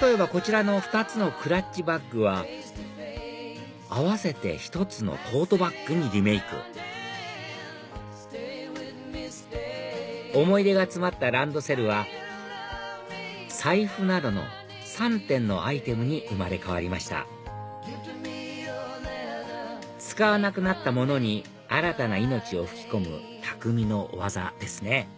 例えばこちらの２つのクラッチバッグは合わせて１つのトートバッグにリメイク思い出が詰まったランドセルは財布などの３点のアイテムに生まれ変わりました使わなくなったものに新たな命を吹き込む匠の技ですね